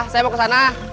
saya mau kesana